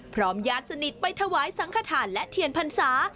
ญาติสนิทไปถวายสังขทานและเทียนพรรษา